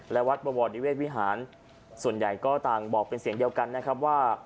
และวัดบวรนิเวศวิหารส่วนใหญ่ก็ต่างบอกเป็นเสียงเดียวกันนะครับว่า